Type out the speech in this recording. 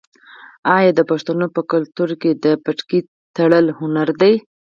آیا د پښتنو په کلتور کې د پټکي تړل هنر نه دی؟